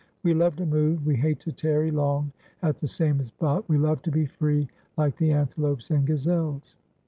We love to move; we hate to tarry long at the same spot. We love to be free, like the antelopes and gazelles."